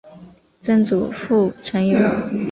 曾祖父陈友。